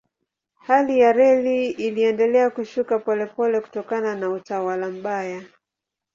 Hali ya reli iliendelea kushuka polepole kutokana na utawala mbaya.